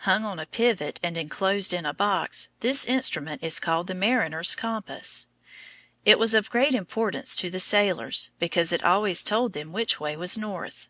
Hung on a pivot and inclosed in a box, this instrument is called the mariners' compass. It was of great importance to sailors, because it always told them which way was north.